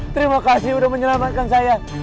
terima kasih sudah menyelamatkan saya